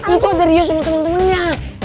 itu ada ryos sama temen temennya